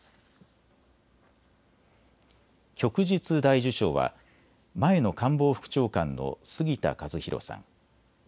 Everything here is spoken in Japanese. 旭日大綬章は前の官房副長官の杉田和博さん